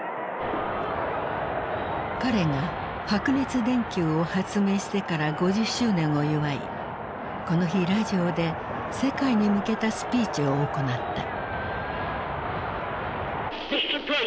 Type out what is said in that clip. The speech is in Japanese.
彼が白熱電球を発明してから５０周年を祝いこの日ラジオで世界に向けたスピーチを行った。